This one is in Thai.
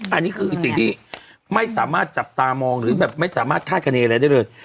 อันนี้คือสิ่งที่ไม่สามารถจับตามองหรือแบบไม่สามารถคาดคณีอะไรได้เลย